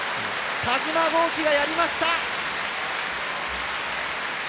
田嶋剛希がやりました！